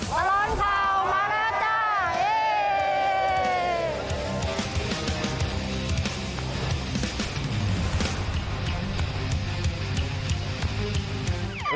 วันร้อนข่าวมารับจ้าเอ๊